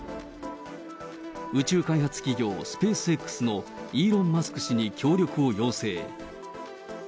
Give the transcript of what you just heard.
宇宙開発企業、スペースＸのイーロン・マスク氏に協力を要請。